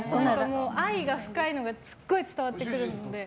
愛が深いのがすごい伝わってくるので。